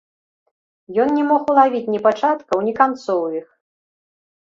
Ён не мог улавіць ні пачаткаў, ні канцоў іх.